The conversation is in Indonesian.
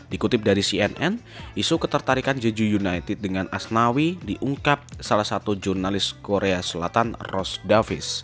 dikutip dari cnn isu ketertarikan jeju united dengan asnawi diungkap salah satu jurnalis korea selatan ros davis